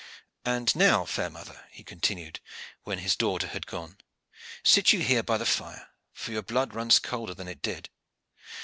And now, fair mother," he continued, when his daughter had gone, "sit you here by the fire, for your blood runs colder than it did.